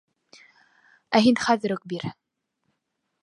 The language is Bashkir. Ә һин хәҙер үк бир...